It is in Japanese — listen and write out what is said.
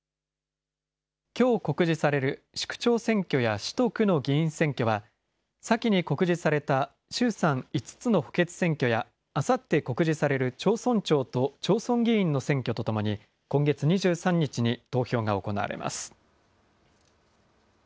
きょう告示される市区長選挙や市と区の議員選挙は、先に告示された衆参５つの補欠選挙や、あさって告示される町村長と町村議員の選挙とともに、今月２３日に投票が行われます。